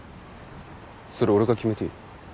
それ俺が決めていいの？